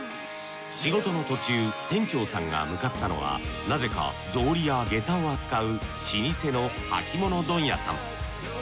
仕事の途中店長さんが向かったのはなぜか草履や下駄を扱う老舗の履物問屋さん。